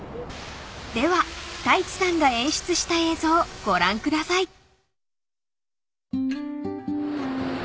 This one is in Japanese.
［では太一さんが演出した映像ご覧ください］